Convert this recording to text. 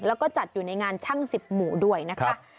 แล้วก็จัดอยู่ในงานช่าง๑๐หมู่ด้วยนะคะ